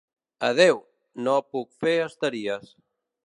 Adeu!, no puc fer estaries.